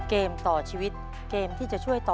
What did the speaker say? เกมต่อชีวิตสูงสุด๑ล้านบาท